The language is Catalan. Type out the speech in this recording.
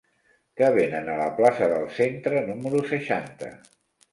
Què venen a la plaça del Centre número seixanta?